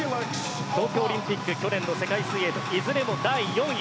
東京オリンピック去年の世界水泳いずれも第４位。